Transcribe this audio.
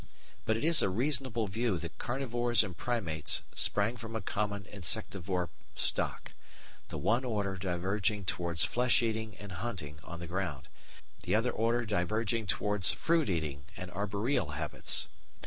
But it is a reasonable view that Carnivores and Primates sprang from a common Insectivore stock, the one order diverging towards flesh eating and hunting on the ground, the other order diverging towards fruit eating and arboreal habits.